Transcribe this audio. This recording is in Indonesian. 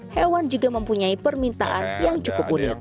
hewan juga mempunyai permintaan yang cukup unik